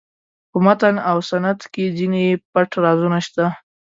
په متن او سنت کې ځینې پټ رازونه شته.